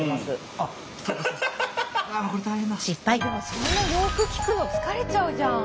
そんなよく聞くの疲れちゃうじゃん。